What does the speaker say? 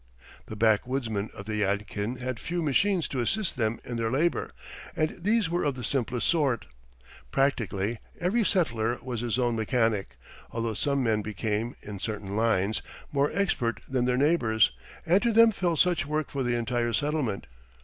The backwoodsmen of the Yadkin had few machines to assist them in their labor, and these were of the simplest sort. Practically, every settler was his own mechanic although some men became, in certain lines, more expert than their neighbors, and to them fell such work for the entire settlement.